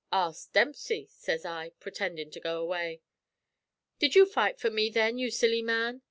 "'Ask Dempsey,' sez I, purtendin' to go away. "'Did you fight for me then, ye silly man?'